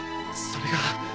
それが。